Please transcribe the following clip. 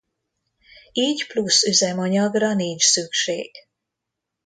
Így plusz üzemanyagra nincs szükség.